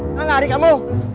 jangan lari kamu